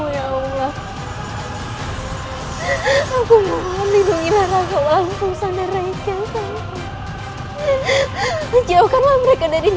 ya allah terima kasih